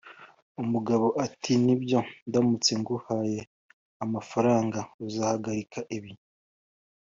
" umugabo ati: "nibyo, ndamutse nguhaye amafaranga, uzahagarika ibi?"